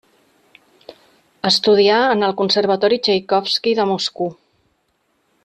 Estudià en el Conservatori Txaikovski de Moscou.